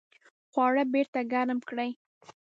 خواړه بیرته ګرم کړئ